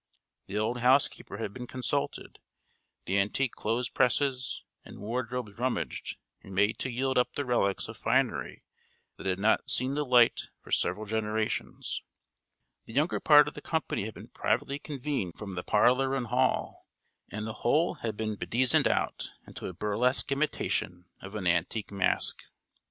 The old housekeeper had been consulted; the antique clothes presses and wardrobes rummaged and made to yield up the relics of finery that had not seen the light for several generations; the younger part of the company had been privately convened from the parlour and hall, and the whole had been bedizened out, into a burlesque imitation of an antique masque.